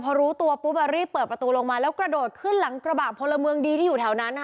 พอรู้ตัวปุ๊บรีบเปิดประตูลงมาแล้วกระโดดขึ้นหลังกระบะพลเมืองดีที่อยู่แถวนั้น